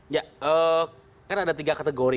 ya kan ada tiga kategori